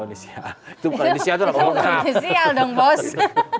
itu bukan inisial itu orang rap